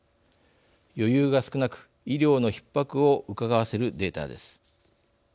余裕が少なく医療のひっ迫をうかがわせるデータです。